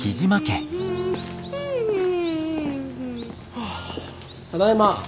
はあただいま。